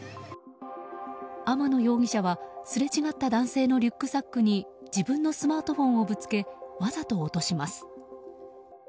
天野容疑者は、すれ違った男性のリュックサックに自分のスマートフォンをぶつけわざと落とします。